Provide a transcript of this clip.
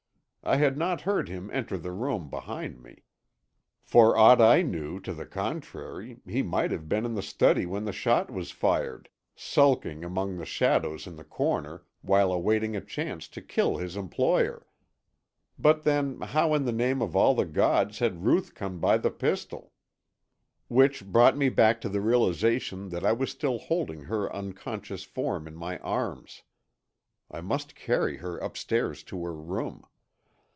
I had not heard him enter the room behind me. For ought I knew to the contrary he might have been in the study when the shot was fired, sulking among the shadows in the corner while awaiting a chance to kill his employer. But then how in the name of all the gods had Ruth come by the pistol! Which brought me back to the realization that I was still holding her unconscious form in my arms. I must carry her upstairs to her room.